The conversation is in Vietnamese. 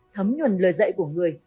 thấm nhuần lời dạy của người